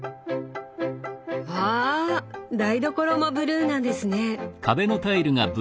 わ台所もブルーなんですね！